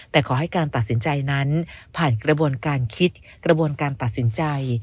แต่ขอให้การตัดสินใจนั้นผ่านกระบวนการคิดกระบวนการตัดสินใจ